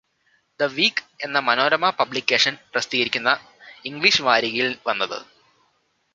The Week എന്ന Manorama publication പ്രസിദ്ധീകരിക്കുന്ന English വാരികയിൽ വന്നത്.